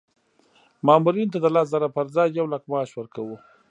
مامورینو ته د لس زره پر ځای یو لک معاش ورکوو.